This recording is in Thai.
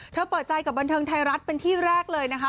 เปิดใจกับบันเทิงไทยรัฐเป็นที่แรกเลยนะคะ